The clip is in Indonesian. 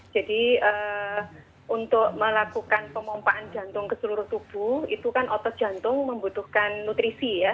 jadi untuk melakukan pemompaan jantung ke seluruh tubuh itu kan otot jantung membutuhkan nutrisi ya